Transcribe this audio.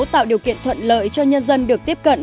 tạo điều kiện thuận lợi cho nhân dân được tiếp cận